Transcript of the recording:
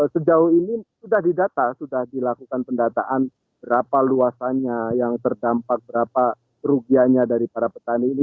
sejauh ini sudah didata sudah dilakukan pendataan berapa luasannya yang terdampak berapa kerugiannya dari para petani ini